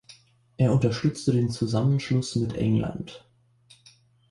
Er unterstützte den Zusammenschluss mit England.